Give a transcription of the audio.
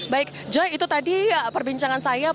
baik joy itu tadi perbincangan saya